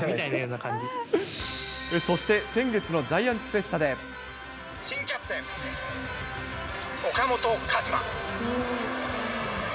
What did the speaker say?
そして先月のジャイアンツフ新キャプテン、岡本和真。